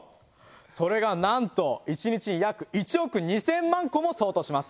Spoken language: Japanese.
それがなんと１日約１億２０００万個も相当します。